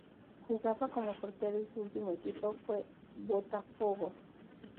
Jugaba como portero y su último equipo fue Botafogo.